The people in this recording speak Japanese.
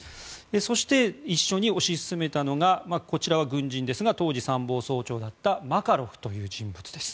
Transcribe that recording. そして、一緒に推し進めたのがこちらは軍人ですが当時、参謀総長だったマカロフという人です。